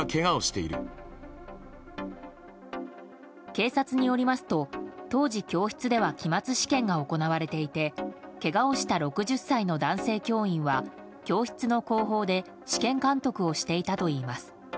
警察によりますと当時、教室では期末試験が行われていてけがをした６０歳の男性教員は教室の後方で試験監督をしていたといいます。